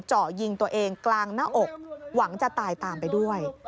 เจาะยิงตัวเองกลางหน้าอกหวังจะตายตามไปด้วย